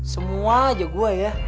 semua aja gua ya